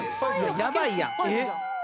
やばいやん！